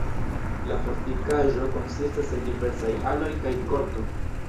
La fortikaĵo konsistas el diversaj aloj kaj korto.